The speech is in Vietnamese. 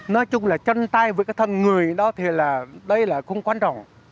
nói chung là chân tay với cái thân người đó thì là đây là cũng quan trọng